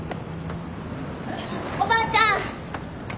おばあちゃん！